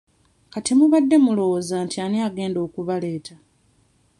Kati mubadde mulowooza nti ani agenda okubaleeta?